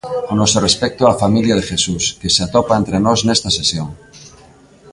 O noso respecto á familia de Jesús, que se atopa entre nós nesta sesión.